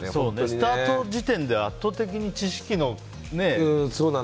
スタート時点で圧倒的に知識のね。